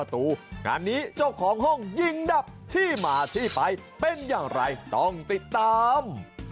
งานนี้เจ้าของห้องยิงดับที่มาที่ไปเป็นอย่างไรต้องติดตาม